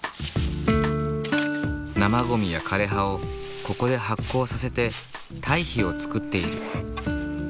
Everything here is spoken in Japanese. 生ゴミや枯れ葉をここで発酵させて堆肥を作っている。